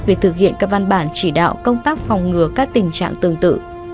về thực hiện các văn bản chỉ đạo công tác phòng ngừa các tình trạng tương tự